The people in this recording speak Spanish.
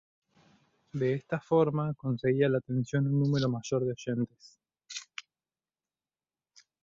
De esta forma conseguía la atención un número mayor de oyentes.